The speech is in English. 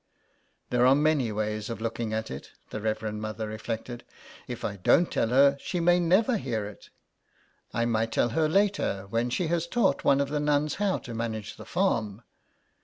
''There are many ways of looking at it," the Reverend Mother reflected. '' If I don't tell her, she may never hear it. I might tell her later, when she has taught one of the nuns how to manage the farm."